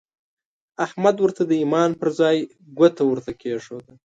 احمد ورته د ايمان پر ځای ګوته ورته کېښوده.